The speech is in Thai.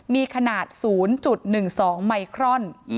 มีขนาด๐๑๒ไมครอน